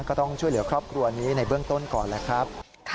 ก็ต้องช่วยเหลือครอบครัวนี้ในเบื้องต้นก่อนแหละครับ